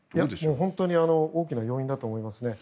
本当に大きな要因だと思いますね。